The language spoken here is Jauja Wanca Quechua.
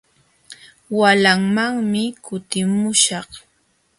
Walamanmi kutimuśhaq.